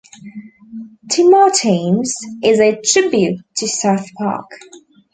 Timotines is a tribute to South Park.